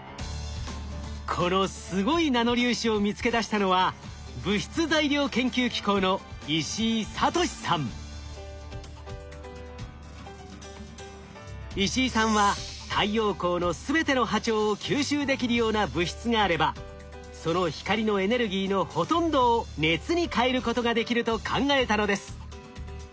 このすごいナノ粒子を見つけ出したのは石井さんは太陽光の全ての波長を吸収できるような物質があればその光のエネルギーのほとんどを熱に変えることができると考えたのです。